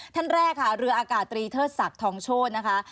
ท่านแรกค่ะเรืออากาศตรีเทิดศักดิ์ทองโชธนะคะ